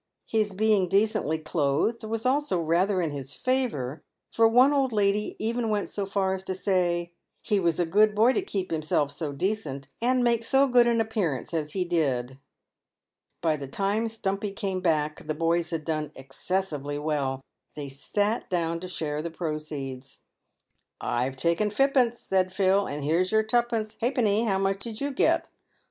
His being decently clothed was also rather in his favour, for one old lady even went so far as to say " he was a good boy to keep himself so decent, and make so good an appearance as he did." By the time Stumpy came back the boys had done excessively well. They sat down to share the proceeds. "I've taken fippunce," said Phil; "and here's your tuppunce ha'penny. How much did you get ?"